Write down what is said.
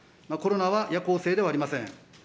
コロナは夜行性ではありません。